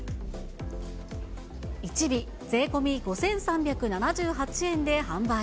１尾税込み５３７８円で販売。